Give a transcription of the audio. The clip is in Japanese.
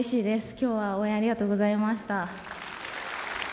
今日は応援ありがとうございました。